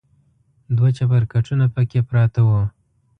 دوه چپرکټونه پکې پراته و.